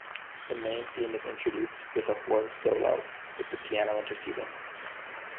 The main theme is introduced with a horn solo, with the piano interceding.